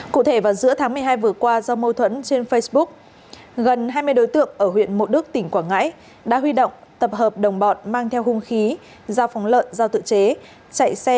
cụ thể vào giữa tháng một mươi hai vừa qua do mâu thuẫn trên facebook gần hai mươi đối tượng ở huyện mộ đức tỉnh quảng ngãi đã huy động tập hợp đồng bọn mang theo hung khí dao phóng lợn dao tự chế